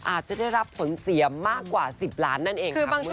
อาจจะได้รับผลเสียมากกว่า๑๐ล้านนั่นเองค่ะคุณผู้ชม